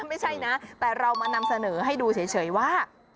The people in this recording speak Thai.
ไม่ใช่นะแต่เรามานำเสนอให้ดูเฉยว่า